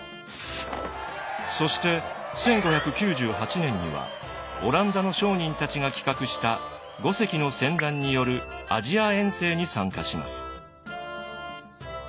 そして１５９８年にはオランダの商人たちが企画した５隻の船団によるアジア遠征に参加します。